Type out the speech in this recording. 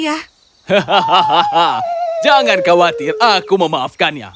hahaha jangan khawatir aku memaafkannya